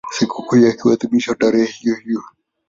Sikukuu yake huadhimishwa tarehe hiyohiyo.